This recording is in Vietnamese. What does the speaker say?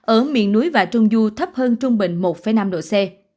ở miền núi và trung du thấp hơn trung bình một năm độ c